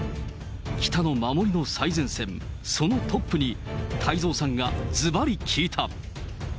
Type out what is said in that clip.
北の守りの最前線、そのトップに、太蔵さんがずばり聞いた。